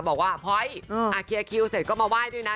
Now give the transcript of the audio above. บอกว่าพอยต์เคลียร์คิวเสร็จก็มาไหว้ด้วยนะ